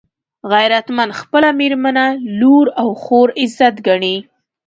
غیرتمند خپله مېرمنه، لور او خور عزت ګڼي